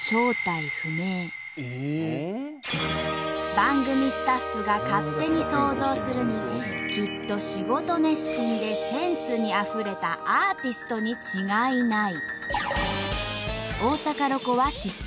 番組スタッフが勝手に想像するにきっと仕事熱心でセンスにあふれたアーティストに違いない。